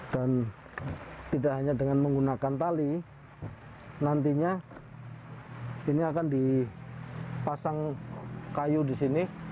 dan tidak hanya dengan menggunakan tali nantinya ini akan dipasang kayu di sini